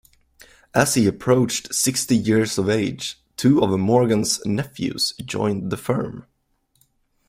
As he approached sixty years of age, two of Morgan's nephews joined the firm.